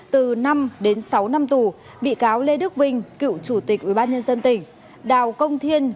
từ năm đến sáu năm tù bị cáo lê đức vinh cựu chủ tịch ubnd tỉnh đào công thiên